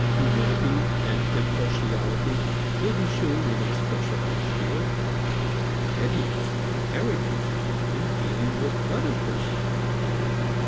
Humility and impartiality may be shown in a specialized field, and pettiness and arrogance in dealing with other persons.